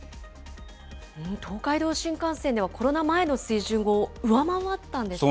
東海道新幹線では、コロナ前の水準を上回ったんですね。